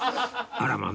あらまあ！